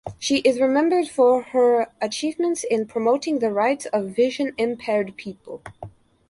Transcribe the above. She is remembered for her achievements in promoting the rights of vision-impaired people.